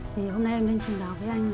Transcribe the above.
thì hôm nay em lên trình báo với anh